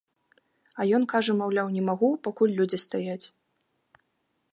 А ён кажа, маўляў, не магу, пакуль людзі стаяць.